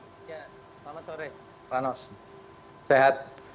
selamat sore ranos sehat